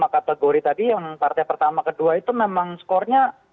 kategori tadi yang partai pertama kedua itu memang skornya